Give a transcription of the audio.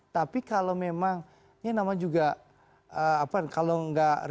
tapi kalau memang ini nama juga apa kalau enggak